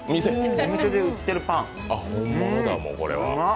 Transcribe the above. お店で売ってるパン、うまっ。